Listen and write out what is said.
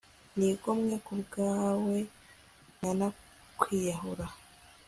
nigomwe kubwawe nanakwiyahura